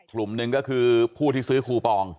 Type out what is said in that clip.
กลุ่มหนึ่งก็คือผู้ที่ซื้อคูปอง